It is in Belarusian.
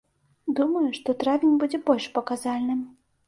Думаю, што травень будзе больш паказальным.